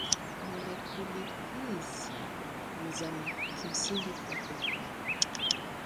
Molekuli hizi ni za kimsingi kwa uhai.